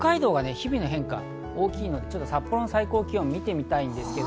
日々の変化が大きいので札幌の最高気温を見ます。